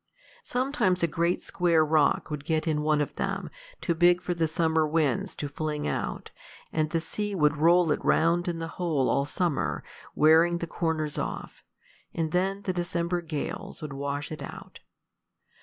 Sometimes a great square rock would get in one of them, too big for the summer winds to fling out, and the sea would roll it round in the hole all summer, wear the corners off, and then the December gales would wash it out.